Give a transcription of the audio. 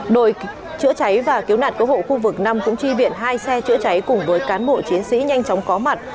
đội chữa cháy và cứu nạn cứu hộ khu vực năm cũng chi viện hai xe chữa cháy cùng với cán bộ chiến sĩ nhanh chóng có mặt